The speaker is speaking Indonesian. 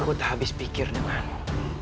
aku tak habis pikir denganmu